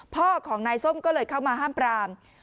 พ่อของนายส้มก็เลยเข้ามาห้ามปราม